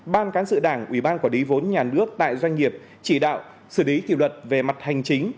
một ban cán sự đảng ủy ban quản lý vốn nhà nước tại doanh nghiệp chỉ đạo xử lý kỷ luật về mặt hành chính